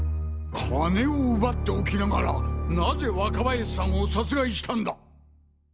金を奪っておきながらなぜ若林さんを殺害したんだ！？